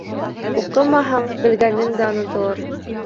Уҡымаһаң, белгәнең дә онотолор.